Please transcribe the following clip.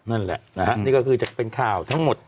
นั่นแหละนะฮะนี่ก็คือจะเป็นข่าวทั้งหมด